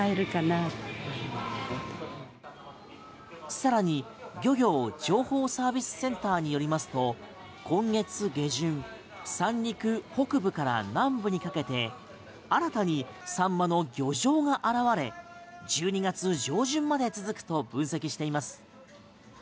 更に漁業情報サービスセンターによりますと今月下旬三陸北部から南部にかけて新たにサンマの漁場が現れ１２月上旬まで続くと分析しています。